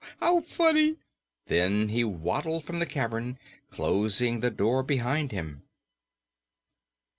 How funny." Then he waddled from the cavern, closing the door behind him.